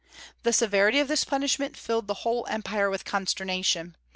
The severity of this punishment filled the whole Empire with consternation.